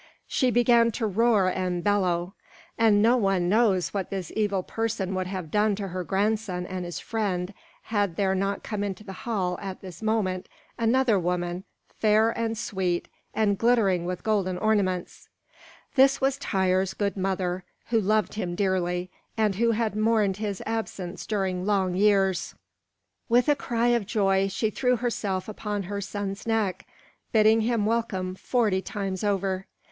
She began to roar and bellow; and no one knows what this evil old person would have done to her grandson and his friend had not there come into the hall at this moment another woman, fair and sweet, and glittering with golden ornaments. This was Tŷr's good mother, who loved him dearly, and who had mourned his absence during long years. With a cry of joy she threw herself upon her son's neck, bidding him welcome forty times over.